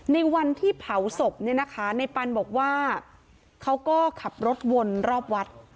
ในวันที่เผาศพเนี่ยนะคะในปันบอกว่าเขาก็ขับรถวนรอบวัด